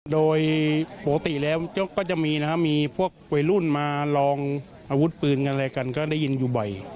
โดยปกติแล้วก็จะมีนะครับมีพวกวัยรุ่นมาลองอาวุธปืนกันอะไรกันก็ได้ยินอยู่บ่อย